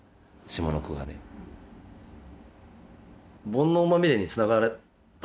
「煩悩まみれ」につながったわけですね。